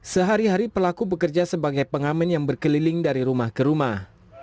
sehari hari pelaku bekerja sebagai pengamen yang berkeliling dari rumah ke rumah